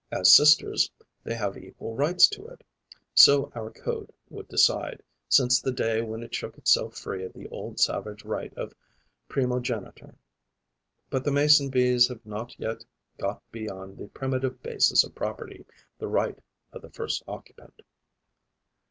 As sisters, they have equal rights to it: so our code would decide, since the day when it shook itself free of the old savage right of primogeniture. But the Mason bees have not yet got beyond the primitive basis of property, the right of the first occupant.